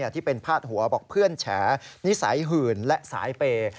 ที่เป็นพาดหัวบอกเพื่อนแฉนิสัยหื่นและสายเปย์